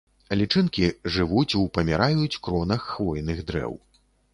Лічынкі жывуць у паміраюць кронах хвойных дрэў.